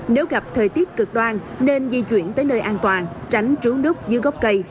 nếu gặp thời tiết cực đoan nên di chuyển tới nơi an toàn tránh trướng đúc dưới gốc cây